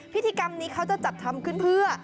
พิธีกรรมนี้เขาจะจัดทำขึ้นเพื่อ